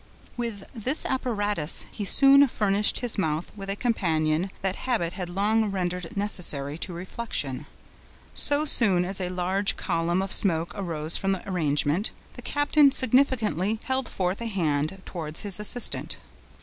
With this apparatus, he soon furnished his mouth with a companion that habit had long rendered necessary to reflection. So soon as a large column of smoke arose from this arrangement, the captain significantly held forth a hand towards his assistant.